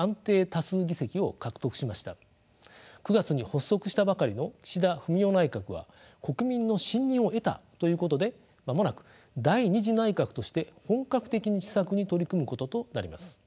９月に発足したばかりの岸田文雄内閣は国民の信任を得たということで間もなく第二次内閣として本格的に施策に取り組むこととなります。